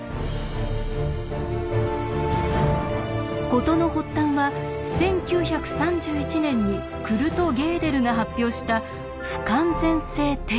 事の発端は１９３１年にクルト・ゲーデルが発表した「不完全性定理」。